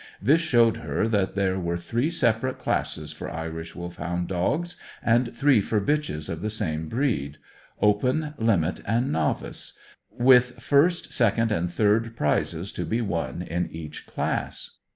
This showed her that there were three separate classes for Irish Wolfhound dogs, and three for bitches of the same breed Open, Limit, and Novice; with first, second, and third prizes to be won in each class.